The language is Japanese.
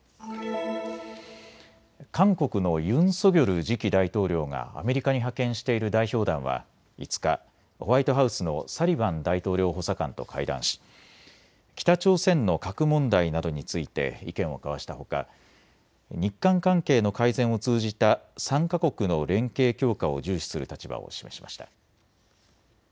韓国のユン・ソギョル次期大統領がアメリカに派遣している代表団は５日、ホワイトハウスのサリバン大統領補佐官と会談し北朝鮮の核問題などについて意見を交わしたほか日韓関係の改善を通じた３か国の連携強化を重視する立場を示しました。